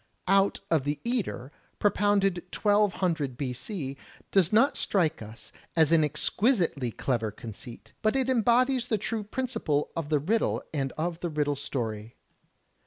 "Out of the eater," propounded 1200 B.C., does not strike us as an exquisitely clever conceit, but it embodies the true principle of the riddle and of the riddle story.